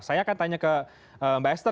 saya akan tanya ke mbak esther